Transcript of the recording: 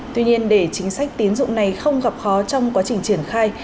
tuy nhiên để chính sách tín dụng này không gặp khó trong quá trình triển khai